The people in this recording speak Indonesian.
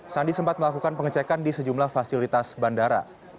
sandi sempat melakukan pengecekan di sejumlah fasilitas bandara